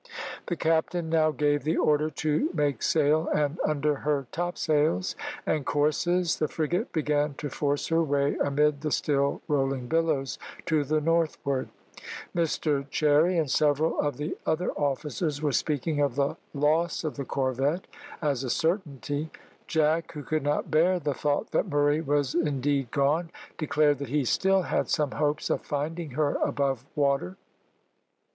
The captain now gave the order to make sail, and under her topsails and courses the frigate began to force her way amid the still rolling billows to the northward. Mr Cherry, and several of the other officers, were speaking of the loss of the corvette as a certainty. Jack, who could not bear the thought that Murray was indeed gone, declared that he still had some hopes of finding her above water.